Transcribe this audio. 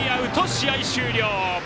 試合終了。